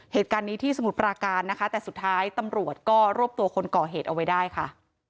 เหตุการณ์นี้ที่สมุทรปราการนะคะแต่สุดท้ายตำรวจก็รวบตัวคนก่อเหตุเอาไว้ได้ค่ะ